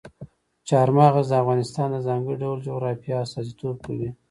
چار مغز د افغانستان د ځانګړي ډول جغرافیه استازیتوب کوي.